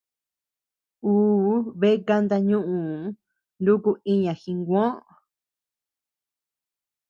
Uu bea kanta ñuuu nuku iña Jiguoo.